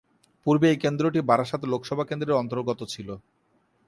পূর্বে এই কেন্দ্রটি বারাসাত লোকসভা কেন্দ্রের অন্তর্গত ছিল।